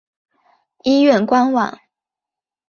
医院官网